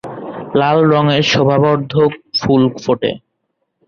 লাল রঙের শোভাবর্ধক ফুল ফোটে।